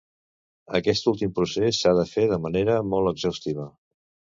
Aquest últim procés s'ha de fer de manera molt exhaustiva.